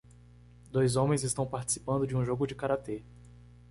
Dois homens estão participando de um jogo de karatê.